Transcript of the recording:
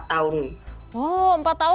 oh empat tahun udah langsung